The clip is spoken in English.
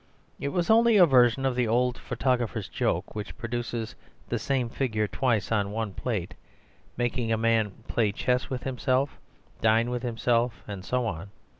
It was only a version of the old photographer's joke which produces the same figure twice on one plate, making a man play chess with himself, dine with himself, and so on.